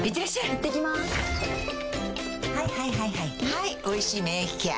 はい「おいしい免疫ケア」